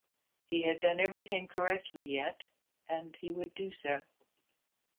He had done everything correctly yet, and he would do so.